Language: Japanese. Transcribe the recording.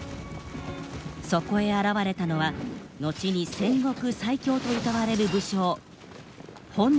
そこへ現れたのは後に戦国最強とうたわれる武将本多忠勝。